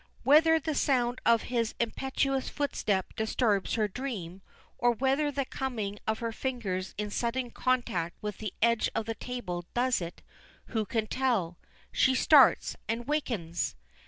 Whether the sound of his impetuous footstep disturbs her dream, or whether the coming of her fingers in sudden contact with the edge of the table does it, who can tell; she starts and wakens.